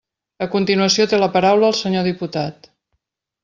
A continuació té la paraula el senyor diputat.